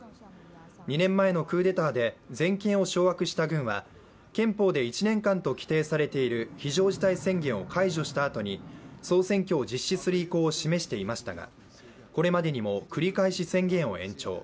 ２年前のクーデターで全権を掌握した軍は憲法で１年間と規定されている非常事態宣言を解除したあとに総選挙を実施する意向を示していましたがこれまでにも繰り返し宣言を延長。